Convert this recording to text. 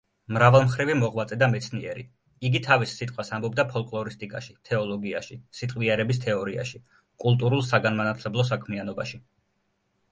მრავალმხრივი მოღვაწე და მეცნიერი, იგი თავის სიტყვას ამბობდა ფოლკლორისტიკაში, თეოლოგიაში, სიტყვიერების თეორიაში; კულტურულ-საგანმანათლებლო საქმიანობაში.